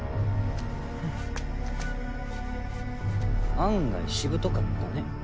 案外しぶとかったね。